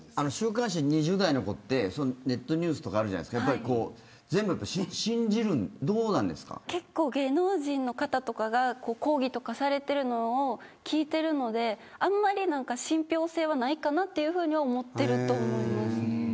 ２０代の子ってネットニュースとかあるじゃないですかやっぱり全部信じるんですか結構、芸能人の方とかが抗議とかをされてるのを聞いてるのであんまり信ぴょう性はないかなと思ってると思います。